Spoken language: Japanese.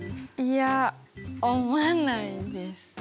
いや思わないです。